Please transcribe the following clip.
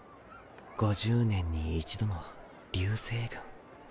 ５０年に１度の流星群。